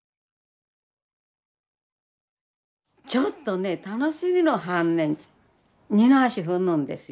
ちょっとね楽しみの反面二の足踏むんですよ。